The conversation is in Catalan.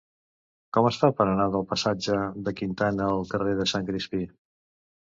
Com es fa per anar del passatge de Quintana al carrer de Sant Crispí?